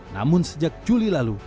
namun sejak juli lalu